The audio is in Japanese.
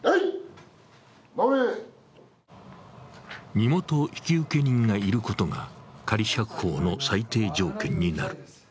身元引受人がいることが仮釈放の最低条件になる。